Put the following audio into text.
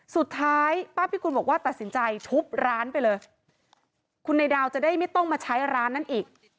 สุดท้ายป้าพิกุลบอกว่าตัดสินใจชุบร้านไปเลยคุณนายดาวจะได้ไม่ต้องมาใช้ร้านนั้นอีก